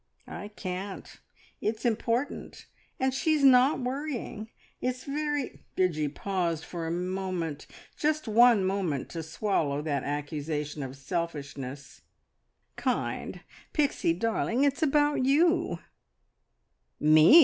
"I can't it's important. And she's not worrying. It's very " Bridgie paused for a moment, just one moment, to swallow that accusation of selfishness "kind! Pixie darling, it's about You." "Me!"